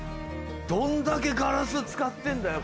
どんだけガラス使ってんだよ